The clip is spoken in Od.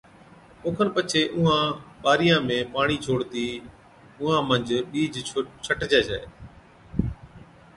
او کن پڇي اُونهان ٻارِيان ۾ پاڻِي ڇوڙتِي اُونهان منجھ ٻِيج ڇٽجَي ڇَي۔